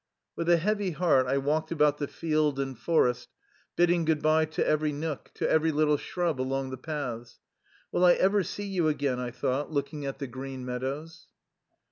With a heavy heart I walked about the field and forest, bidding good by to every nook, to every little shrub along the paths. "Will I ever see you again ?" I thought, looking at the green meadows.